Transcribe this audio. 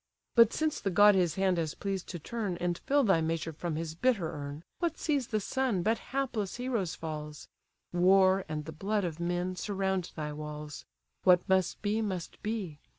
But since the god his hand has pleased to turn, And fill thy measure from his bitter urn, What sees the sun, but hapless heroes' falls? War, and the blood of men, surround thy walls! What must be, must be.